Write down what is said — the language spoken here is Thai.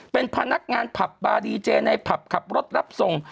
เป็นพนักงานผับบาร์ดีเจในผับขับรถรับส่ง